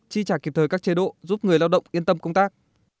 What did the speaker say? chi trả kịp thời các chế độ giúp người lao động yên tâm công tác